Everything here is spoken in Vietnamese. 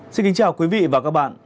xin kính chào quý vị và các bạn